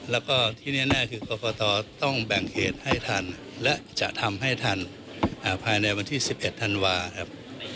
แล้วก็ที่แน่คือกรกตต้องแบ่งเหตุให้ทันและจะทำให้ทันภายในวันที่๑๑ธันวาครับ